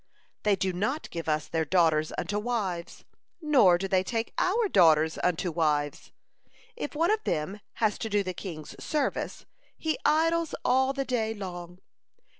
They do not give us their daughters unto wives, nor do they take our daughters unto wives. If one of them has to do the king's service, he idles all the day long.